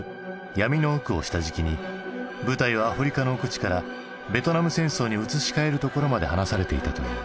「闇の奥」を下敷きに舞台をアフリカの奥地からベトナム戦争に移し替えるところまで話されていたという。